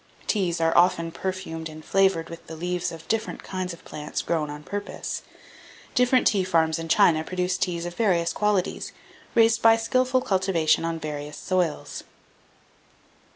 Teas are often perfumed and flavoured with the leaves of different kinds of plants grown on purpose. Different tea farms in China produce teas of various qualities, raised by skilful cultivation on various soils.